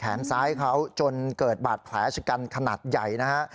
ซ้ายเขาจนเกิดบาดแผลชะกันขนาดใหญ่นะฮะ